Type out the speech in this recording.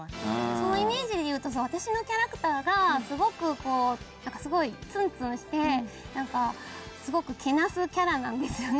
そのイメージでいうと私のキャラクターがすごくツンツンしてすごくけなすキャラなんですよね。